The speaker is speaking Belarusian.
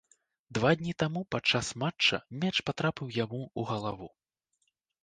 Два дні таму падчас матча мяч патрапіў яму ў галаву.